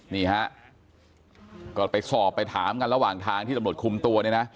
นี่ฮะก็ไปสอบไปถามกันระหว่างทางที่ตำรวจคุมตัวเนี่ยนะ